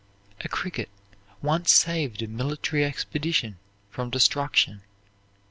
A cricket once saved a military expedition from destruction.